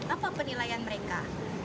apa penilaian mereka